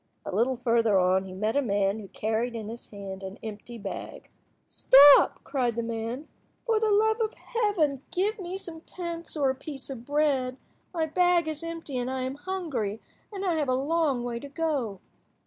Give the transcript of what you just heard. A little further on he met a man who carried in his hand an empty bag. "Stop," cried the man. "For the love of Heaven give me some pence or a piece of bread! My bag is empty, and I am hungry and have a long way to go."